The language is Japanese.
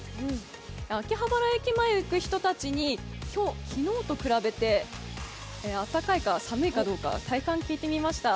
秋葉原駅前を行く人たちに今日、昨日と比べてあったかいか寒いか、体感聞いてみました。